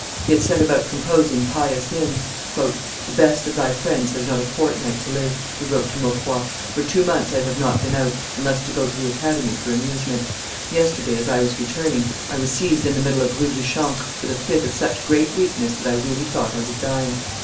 He had set about composing pious hymns. "The best of thy friends has not a fortnight to live," he wrote to Maucroix; "for two months I have not been out, unless to go to the Academy for amusement. Yesterday, as I was returning, I was seized in the middle of Rue du Chantre with a fit of such great weakness that I really thought I was dying.